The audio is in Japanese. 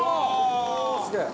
すげえ！